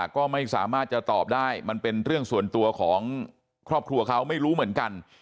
ก็ไม่สามารถจะตอบได้มันเป็นเรื่องส่วนตัวของครอบครัวเขาไม่รู้เหมือนกัน